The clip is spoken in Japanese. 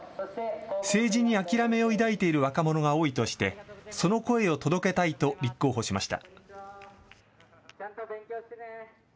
政治に諦めを抱いている若者が多いとして、その声を届けたいと立候補しました。